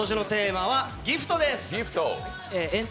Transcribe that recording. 今年のテーマは「ＧＩＦＴギフト」です